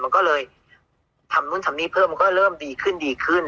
มันก็เลยทำนู้นทำหนี้เพิ่มมันก็เริ่มดีขึ้น